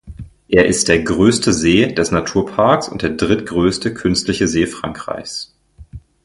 Er ist der größte See des Naturparks und der drittgrößte künstliche See Frankreichs.